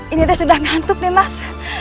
ini teh sudah nantuk nih mas